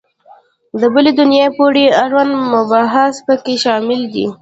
د بلي دنیا پورې اړوند مباحث په کې شامل دي.